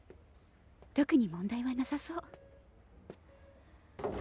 特に問題はなさそう。